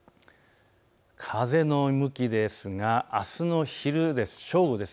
風の向きですがあすの正午です。